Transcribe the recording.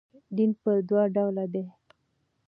دین پر دوه ډوله دئ.